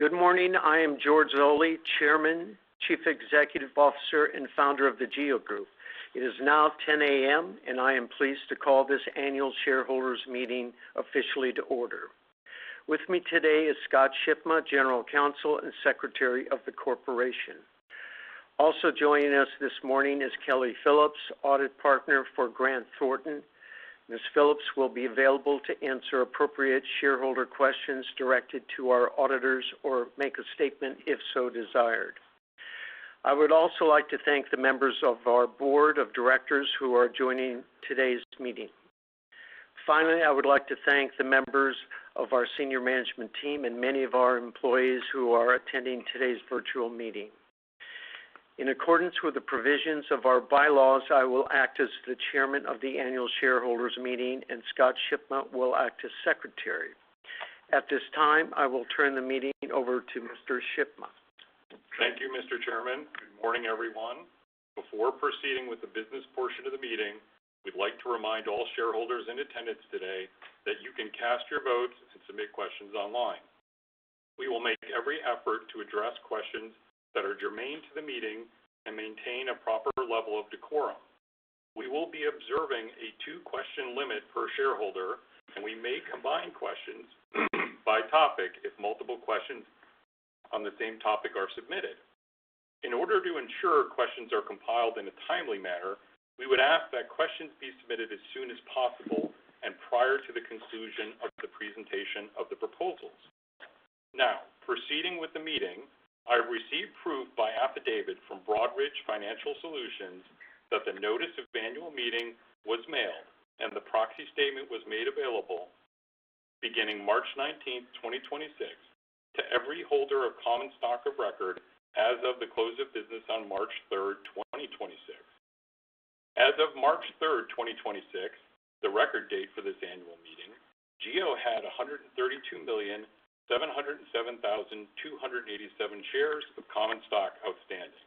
Good morning. I am George Zoley, Chairman, Chief Executive Officer, and Founder of The GEO Group. It is now 10:00 A.M., and I am pleased to call this annual shareholders meeting officially to order. With me today is Scott Schipma, General Counsel and Secretary of the Corporation. Also joining us this morning is Kelly Phillips, Audit Partner for Grant Thornton. Ms. Phillips will be available to answer appropriate shareholder questions directed to our auditors or make a statement if so desired. I would also like to thank the members of our Board of Directors who are joining today's meeting. Finally, I would like to thank the members of our senior management team and many of our employees who are attending today's virtual meeting. In accordance with the provisions of our bylaws, I will act as the Chairman of the annual shareholders meeting, and Scott Schipma will act as Secretary. At this time, I will turn the meeting over to Mr. Schipma. Thank you, Mr. Chairman. Good morning, everyone. Before proceeding with the business portion of the meeting, we'd like to remind all shareholders in attendance today that you can cast your votes and submit questions online. We will make every effort to address questions that are germane to the meeting and maintain a proper level of decorum. We will be observing a two-question limit per shareholder, and we may combine questions by topic if multiple questions on the same topic are submitted. In order to ensure questions are compiled in a timely manner, we would ask that questions be submitted as soon as possible and prior to the conclusion of the presentation of the proposals. Proceeding with the meeting, I received proof by affidavit from Broadridge Financial Solutions that the notice of annual meeting was mailed and the proxy statement was made available beginning March 19, 2026 to every holder of common stock of record as of the close of business on March 3rd, 2026. As of March 3rd, 2026, the record date for this annual meeting, GEO had 132,707,287 shares of common stock outstanding.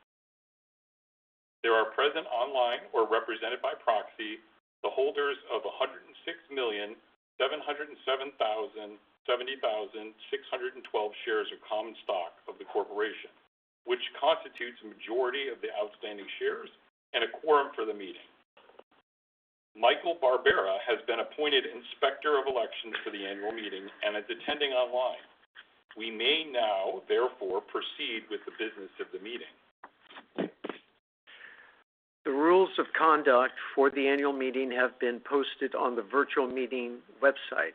There are present online or represented by proxy the holders of 106,707,070,612 shares of common stock of the corporation, which constitutes a majority of the outstanding shares and a quorum for the meeting. Michael Barbera has been appointed Inspector of Elections for the Annual Meeting and is attending online. We may now, therefore, proceed with the business of the meeting. The rules of conduct for the annual meeting have been posted on the virtual meeting website.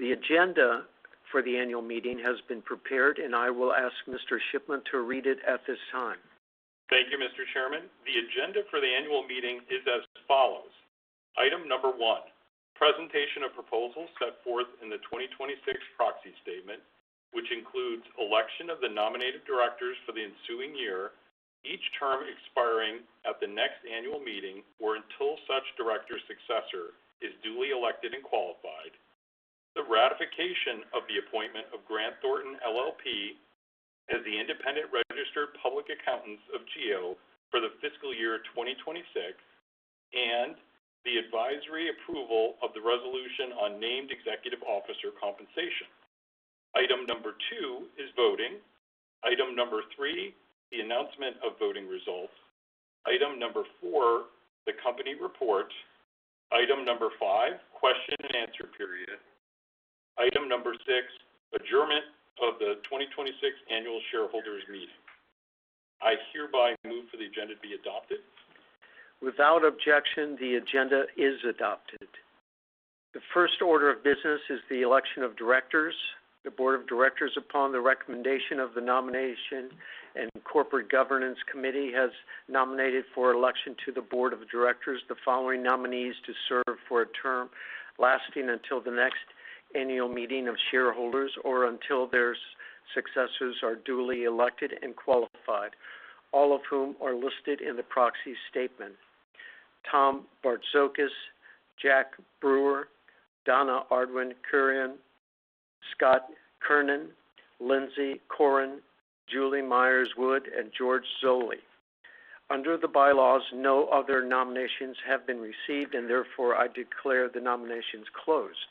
The agenda for the annual meeting has been prepared, and I will ask Mr. Schipma to read it at this time. Thank you, Mr. Chairman. The agenda for the annual meeting is as follows. Item number one, presentation of proposals set forth in the 2026 proxy statement, which includes election of the nominated directors for the ensuing year, each term expiring at the next annual meeting or until such director successor is duly elected and qualified. The ratification of the appointment of Grant Thornton LLP as the independent registered public accountants of GEO for the fiscal year 2026, and the advisory approval of the resolution on named executive officer compensation. Item number two is voting. Item number three, the announcement of voting results. Item number four, the company report. Item number five, question and answer period. Item number six, adjournment of the 2026 annual shareholders meeting. I hereby move for the agenda to be adopted. Without objection, the agenda is adopted. The first order of business is the election of directors. The board of directors, upon the recommendation of the nomination and corporate governance committee, has nominated for election to the board of directors the following nominees to serve for a term lasting until the next annual meeting of shareholders or until their successors are duly elected and qualified, all of whom are listed in the proxy statement. Tom Bartzokis, Jack Brewer, Donna Arduin Kauranen, Scott Kernan, Lindsay Koren, Julie Myers Wood, and George Zoley. Under the bylaws, no other nominations have been received, and therefore, I declare the nominations closed.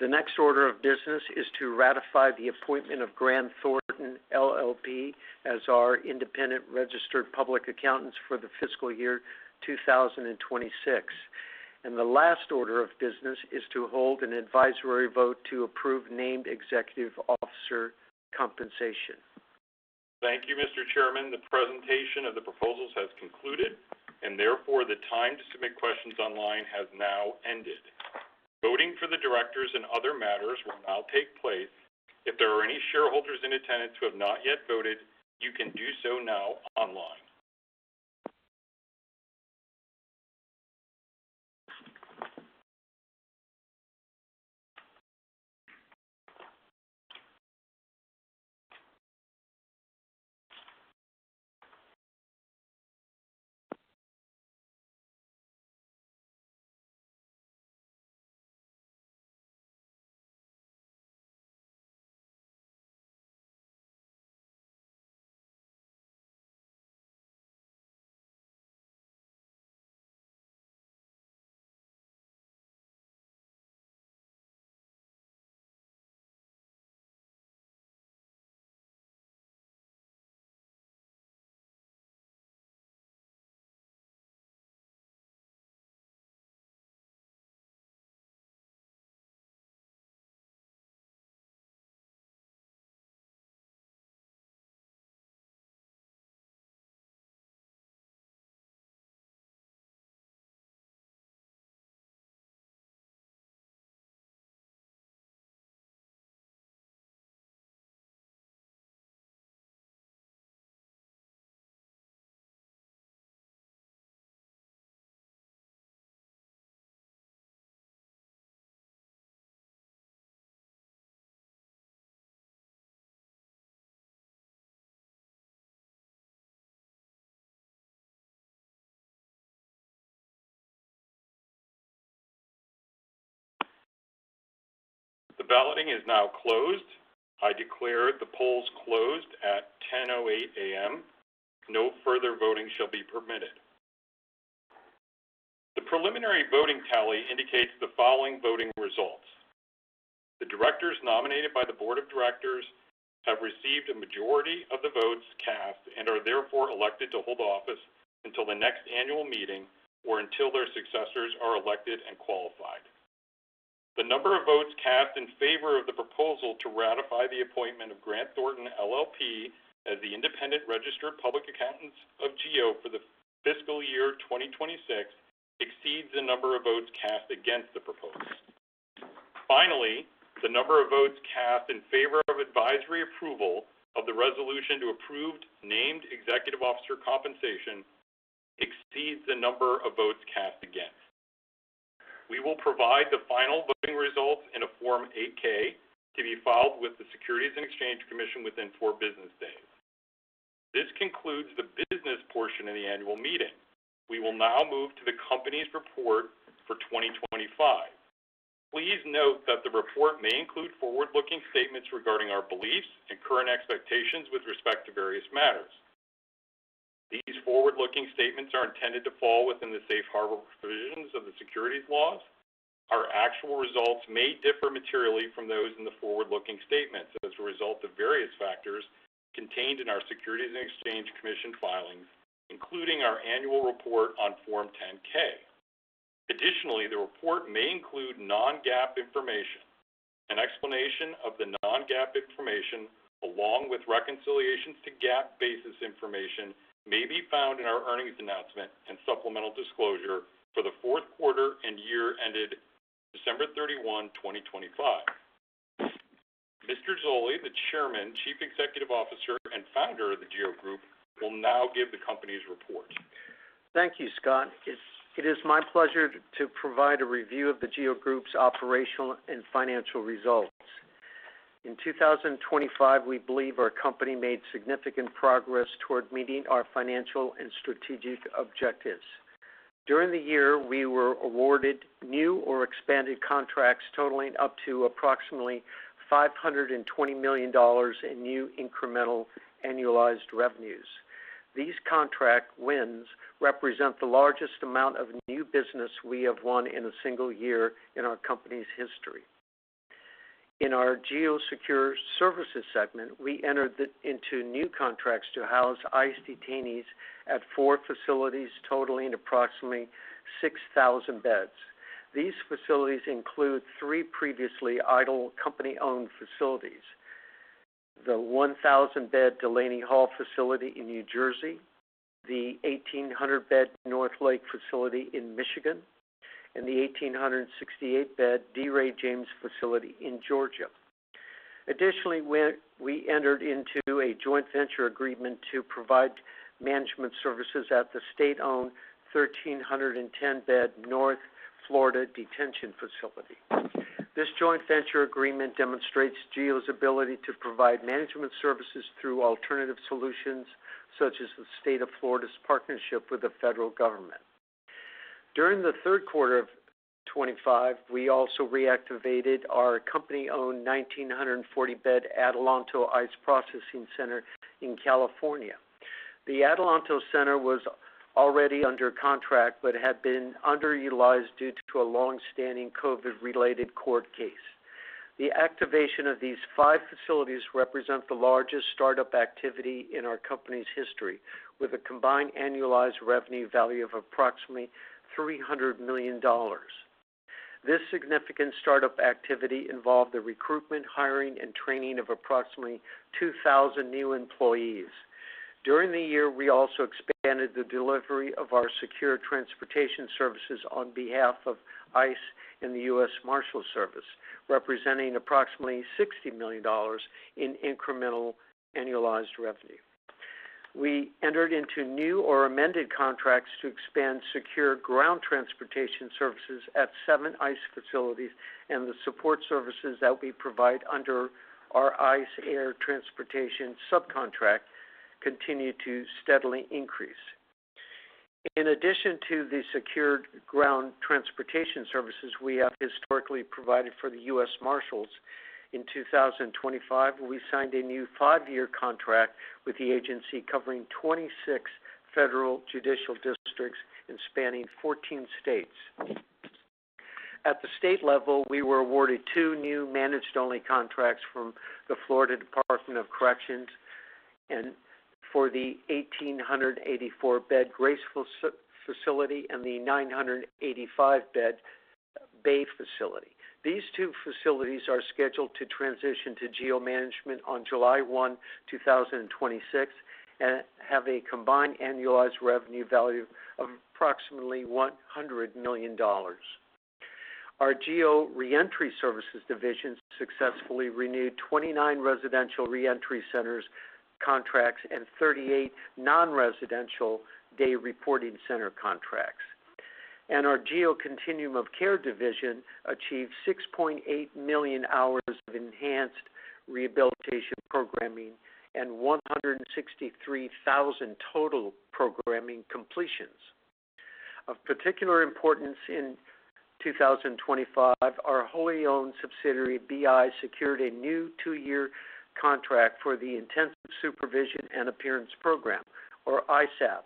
The next order of business is to ratify the appointment of Grant Thornton LLP as our independent registered public accountants for the fiscal year 2026. The last order of business is to hold an advisory vote to approve named executive officer compensation. Thank you, Mr. Chairman. The presentation of the proposals has concluded, and therefore, the time to submit questions online has now ended. Voting for the directors and other matters will now take place. If there are any shareholders in attendance who have not yet voted, you can do so now online. The balloting is now closed. I declare the polls closed at 10:08 A.M. No further voting shall be permitted. The preliminary voting tally indicates the following voting results. The directors nominated by the board of directors have received a majority of the votes cast and are therefore elected to hold office until the next annual meeting or until their successors are elected and qualified. The number of votes cast in favor of the proposal to ratify the appointment of Grant Thornton LLP as the independent registered public accountants of GEO for the fiscal year 2026 exceeds the number of votes cast against the proposal. The number of votes cast in favor of advisory approval of the resolution to approve named executive officer compensation exceeds the number of votes cast against. We will provide the final voting results in a Form 8-K to be filed with the Securities and Exchange Commission within four business days. This concludes the business portion of the annual meeting. We will now move to the company's report for 2025. Please note that the report may include forward-looking statements regarding our beliefs and current expectations with respect to various matters. These forward-looking statements are intended to fall within the safe harbor provisions of the securities laws. Our actual results may differ materially from those in the forward-looking statements as a result of various factors contained in our Securities and Exchange Commission filings, including our annual report on Form 10-K. Additionally, the report may include non-GAAP information. An explanation of the non-GAAP information, along with reconciliations to GAAP basis information, may be found in our earnings announcement and supplemental disclosure for the fourth quarter and year ended December 31, 2025. Mr. Zoley, the Chairman, Chief Executive Officer, and Founder of The GEO Group, will now give the company's report. Thank you, Scott. It is my pleasure to provide a review of The GEO Group's operational and financial results. In 2025, we believe our company made significant progress toward meeting our financial and strategic objectives. During the year, we were awarded new or expanded contracts totaling up to approximately $520 million in new incremental annualized revenues. These contract wins represent the largest amount of new business we have won in a single year in our company's history. In our GEO Secure Services segment, we entered into new contracts to house ICE detainees at four facilities totaling approximately 6,000 beds. These facilities include three previously idle company-owned facilities. The 1,000-bed Delaney Hall facility in New Jersey, the 1,800-bed North Lake facility in Michigan, and the 1,868-bed D. Ray James facility in Georgia. Additionally, we entered into a joint venture agreement to provide management services at the state-owned 1,310-bed North Florida Detention Facility. This joint venture agreement demonstrates GEO's ability to provide management services through alternative solutions, such as the State of Florida's partnership with the federal government. During the third quarter of 2025, we also reactivated our company-owned 1,940-bed Adelanto ICE Processing Center in California. The Adelanto Center was already under contract but had been underutilized due to a long-standing COVID-related court case. The activation of these five facilities represent the largest startup activity in our company's history, with a combined annualized revenue value of approximately $300 million. This significant startup activity involved the recruitment, hiring, and training of approximately 2,000 new employees. During the year, we also expanded the delivery of our secure transportation services on behalf of ICE and the U.S. Marshals Service, representing approximately $60 million in incremental annualized revenue. We entered into new or amended contracts to expand secure ground transportation services at seven ICE facilities, and the support services that we provide under our ICE air transportation subcontract continue to steadily increase. In addition to the secured ground transportation services we have historically provided for the U.S. Marshals, in 2025, we signed a new five-year contract with the agency covering 26 federal judicial districts and spanning 14 states. At the state level, we were awarded two new managed-only contracts from the Florida Department of Corrections and for the 1,884 bed Graceville facility and the 985 bed Bay facility. These two facilities are scheduled to transition to GEO management on July 1, 2026, and have a combined annualized revenue value of approximately $100 million. Our GEO Reentry Services division successfully renewed 29 residential reentry centers contracts and 38 non-residential day reporting center contracts. Our GEO Continuum of Care division achieved 6.8 million hours of enhanced rehabilitation programming and 163,000 total programming completions. Of particular importance in 2025, our wholly-owned subsidiary, BI, secured a new two-year contract for the Intensive Supervision Appearance Program, or ISAP,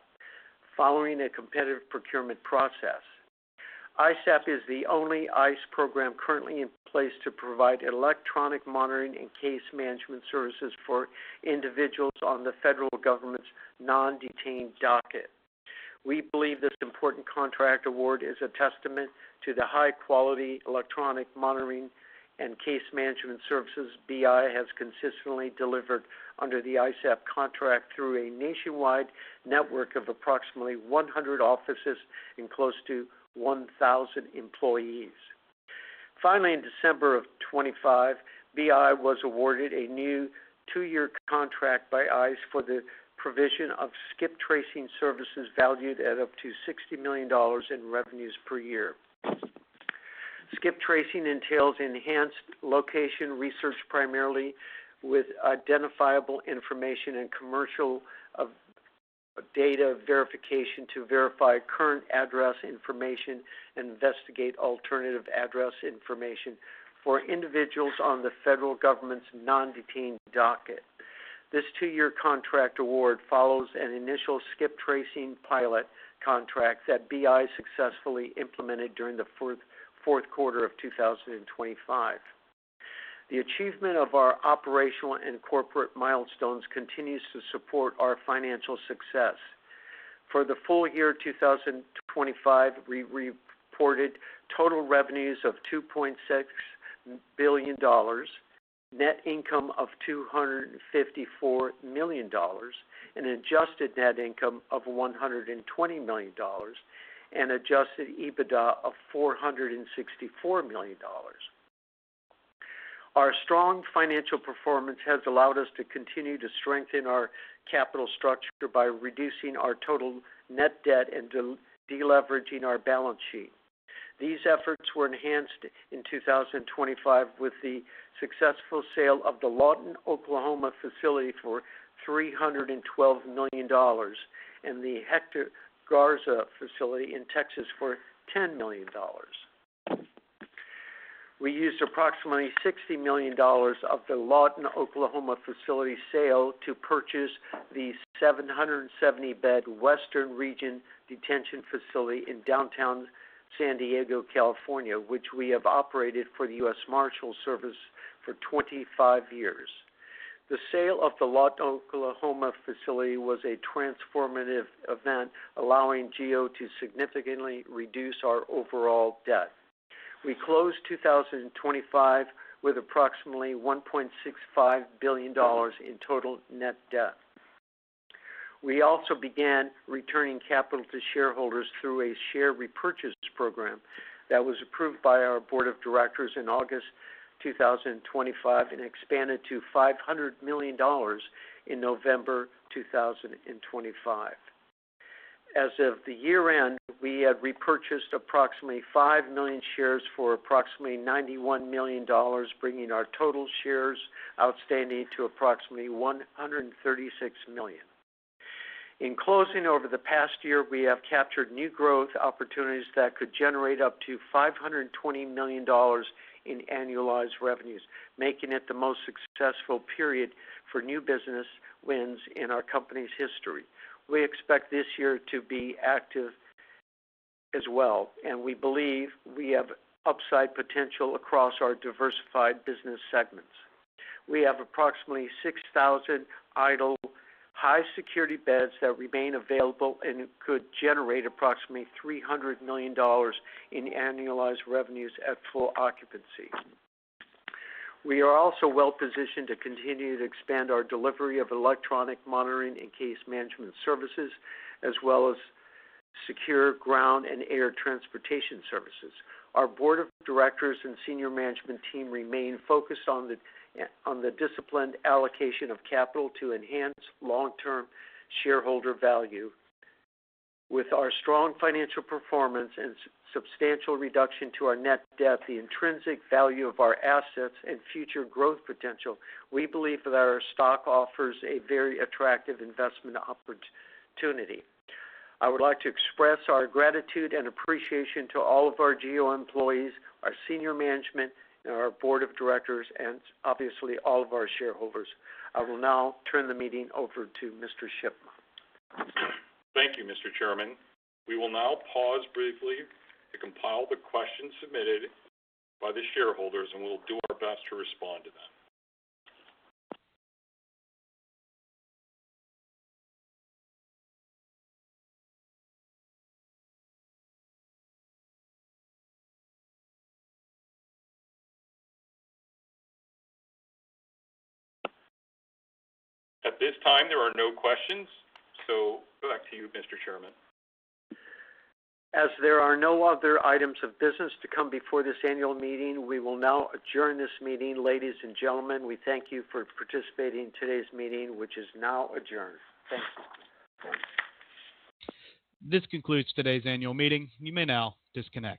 following a competitive procurement process. ISAP is the only ICE program currently in place to provide electronic monitoring and case management services for individuals on the federal government's non-detained docket. We believe this important contract award is a testament to the high-quality electronic monitoring and case management services BI has consistently delivered under the ISAP contract through a nationwide network of approximately 100 offices and close to 1,000 employees. In December 2025, BI was awarded a new two-year contract by ICE for the provision of skip tracing services valued at up to $60 million in revenues per year. Skip tracing entails enhanced location research, primarily with identifiable information and commercial data verification to verify current address information and investigate alternative address information for individuals on the federal government's non-detained docket. This two-year contract award follows an initial skip tracing pilot contract that BI successfully implemented during the fourth quarter of 2025. The achievement of our operational and corporate milestones continues to support our financial success. For the full year 2025, we reported total revenues of $2.6 billion, net income of $254 million, an adjusted net income of $120 million, and Adjusted EBITDA of $464 million. Our strong financial performance has allowed us to continue to strengthen our capital structure by reducing our total net debt and deleveraging our balance sheet. These efforts were enhanced in 2025 with the successful sale of the Lawton, Oklahoma facility for $312 million and the Hector Garza facility in Texas for $10 million. We used approximately $60 million of the Lawton, Oklahoma facility sale to purchase the 770-bed Western Region Detention Facility in downtown San Diego, California, which we have operated for the U.S. Marshals Service for 25 years. The sale of the Lawton, Oklahoma facility was a transformative event, allowing GEO to significantly reduce our overall debt. We closed 2025 with approximately $1.65 billion in total net debt. We also began returning capital to shareholders through a share repurchase program that was approved by our board of directors in August 2025 and expanded to $500 million in November 2025. As of the year-end, we had repurchased approximately 5 million shares for approximately $91 million, bringing our total shares outstanding to approximately 136 million. In closing, over the past year, we have captured new growth opportunities that could generate up to $520 million in annualized revenues, making it the most successful period for new business wins in our company's history. We expect this year to be active as well, and we believe we have upside potential across our diversified business segments. We have approximately 6,000 idle high security beds that remain available and could generate approximately $300 million in annualized revenues at full occupancy. We are also well-positioned to continue to expand our delivery of electronic monitoring and case management services, as well as secure ground and air transportation services. Our board of directors and senior management team remain focused on the disciplined allocation of capital to enhance long-term shareholder value. With our strong financial performance and substantial reduction to our net debt, the intrinsic value of our assets, and future growth potential, we believe that our stock offers a very attractive investment opportunity. I would like to express our gratitude and appreciation to all of our GEO employees, our senior management, and our Board of Directors, and obviously all of our shareholders. I will now turn the meeting over to Mr. Calabrese. Thank you, Mr. Chairman. We will now pause briefly to compile the questions submitted by the shareholders, and we'll do our best to respond to them. At this time, there are no questions. Back to you, Mr. Chairman. As there are no other items of business to come before this annual meeting, we will now adjourn this meeting. Ladies and gentlemen, we thank you for participating in today's meeting, which is now adjourned. Thank you. This concludes today's annual meeting. You may now disconnect.